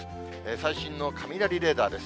最新の雷レーダーです。